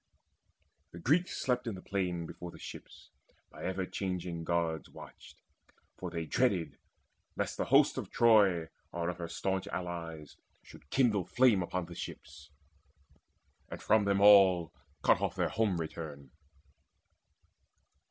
The Greeks slept in the plain Before the ships, by ever changing guards Watched; for they dreaded lest the host of Troy, Or of her staunch allies, should kindle flame Upon the ships, and from them all cut off Their home return.